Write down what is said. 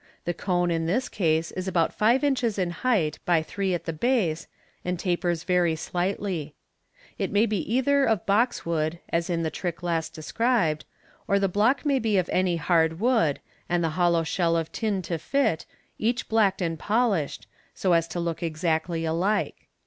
The cone in this case is about rive inches in height by three at the base, and tapers very slightly. It may be either of boxwood, as in vhe trick last described, or the block may be of any hard wood, and the hollow shell of tin to fit, each blacked and polished, so as to look exactly alike.